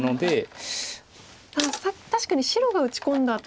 ただ確かに白が打ち込んだ時は。